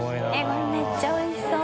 これめっちゃおいしそう。